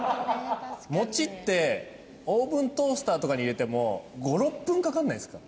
もちってオーブントースターとかに入れても５６分かからないですか？